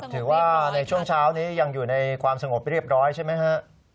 ในช่วงเช้านี้ยังอยู่ในความสงบเรียบร้อยใช่ไหมฮะ